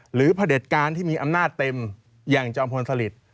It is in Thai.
หรือพระเด็ดการณ์ที่มีอำนาจเต็มอย่างเจ้าอมพลสลิศ